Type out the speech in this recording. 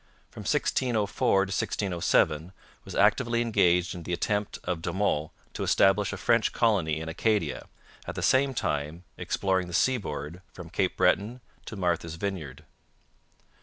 From 1604 to 1607 was actively engaged in the attempt of De Monts to establish a French colony in Acadia, at the same time exploring the seaboard from Cape Breton to Martha's Vineyard.